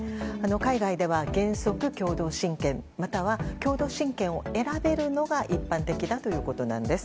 海外では原則共同親権または共同親権を選べるのが一般的だということなんです。